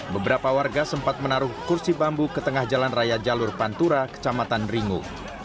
beberapa warga sempat menaruh kursi bambu ke tengah jalan raya jalur pantura kecamatan ringu